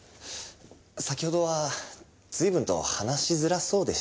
先ほどは随分と話しづらそうでしたね。